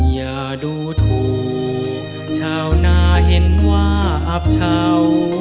อย่าดูถูกชาวนาเห็นว่าอับเช่า